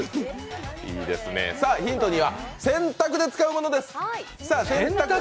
ヒント２は洗濯で使うものです。